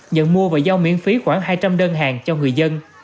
nhận mua và giao miễn phí khoảng hai trăm linh đơn hàng cho người dân